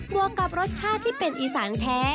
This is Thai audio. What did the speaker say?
วกกับรสชาติที่เป็นอีสานแท้